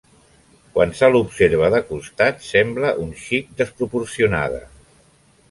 Quan se l'observa de costat sembla un xic desproporcionada.